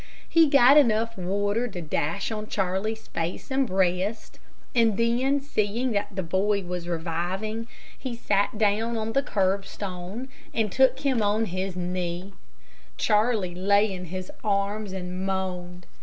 He got enough water to dash on Charlie's face and breast, and then seeing that the boy was reviving, he sat down on the curbstone and took him on his knee, Charlie lay in his arms and moaned.